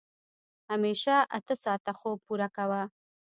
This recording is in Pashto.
همېشه اته ساعته خوب پوره کوه.